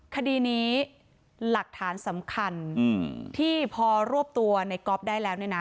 คดีนี้หลักฐานสำคัญที่พอรวบตัวในก๊อฟได้แล้วเนี่ยนะ